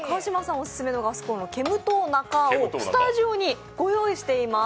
オススメのガスこんろ、けむとうなかぁをスタジオにご用意しています。